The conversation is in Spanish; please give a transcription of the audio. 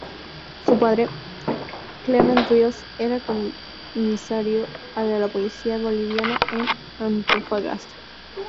Su padre, Clemente Ríos, era comisario de la Policía Boliviana en Antofagasta.